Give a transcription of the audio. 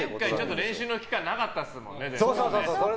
前回練習の期間なかったですもんね。